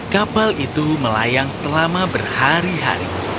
kapal itu melayang selama berhari hari